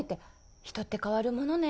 人って変わるものね。